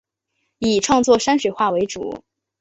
以创作山水画为主。